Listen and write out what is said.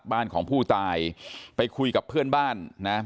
บ้านของผู้ตายไปคุยกับเพื่อนบ้านนะ